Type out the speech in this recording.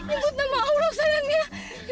ibut nama allah sayangnya